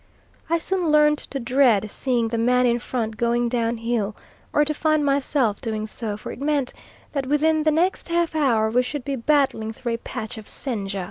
I soon learnt to dread seeing the man in front going down hill, or to find myself doing so, for it meant that within the next half hour we should be battling through a patch of shenja.